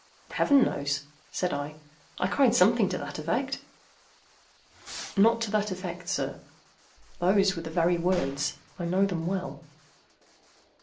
"Heaven knows," said I. "I cried something to that effect—" "Not to that effect, sir. Those were the very words. I know them well."